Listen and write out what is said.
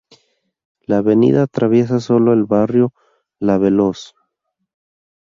La avenida atraviesa sólo el Barrio La Veloz.